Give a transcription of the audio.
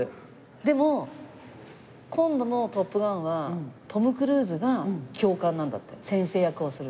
でも今度の『トップガン』はトム・クルーズが教官なんだって先生役をする。